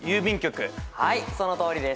はいそのとおりです。